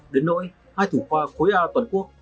đến nỗi hai thủ khoa khối a toàn quốc